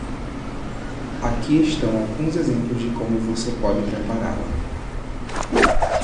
Aqui estão alguns exemplos de como você pode prepará-la: